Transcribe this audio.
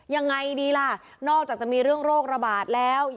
ยังไงดีล่ะนอกจากจะมีเรื่องโรคระบาดแล้ว